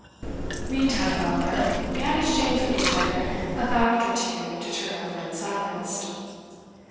Meantime, however, we had exchanged with each other a fact or two to turn over in silence.